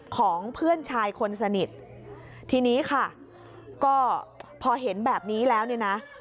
ของเพื่อนชายคนสนิททีนี้ค่ะก็พอเห็นแบบนี้แล้วเนี่ยนะ